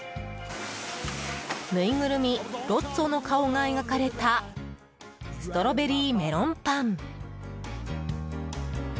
ぬいぐるみロッツォの顔が描かれたストロベリーメロンパン。